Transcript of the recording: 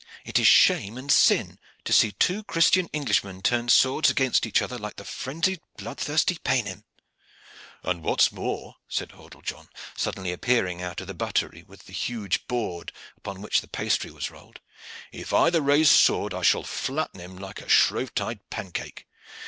"It is shame and sin to see two Christian Englishmen turn swords against each other like the frenzied bloodthirsty paynim." "And, what is more," said Hordle John, suddenly appearing out of the buttery with the huge board upon which the pastry was rolled, "if either raise sword I shall flatten him like a Shrovetide pancake.